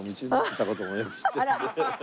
あら！